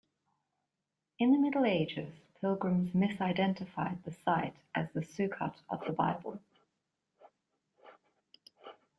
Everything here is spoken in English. In the Middle Ages, pilgrims misidentified the site as the Sukkot of the Bible.